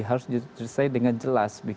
harus disertai dengan jelas